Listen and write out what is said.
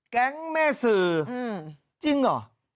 แก๊งแม่สื่อจริงเหรอ